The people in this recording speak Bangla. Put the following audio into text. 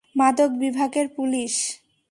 মাদক বিভাগের পুলিশ।